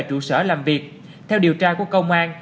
trụ sở làm việc theo điều tra của công an